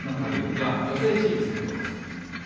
では女性チーム先攻です。